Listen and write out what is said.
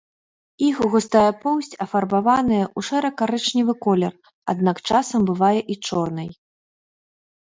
Іх густая поўсць афарбаваная ў шэра-карычневы колер, аднак часам бывае і чорнай.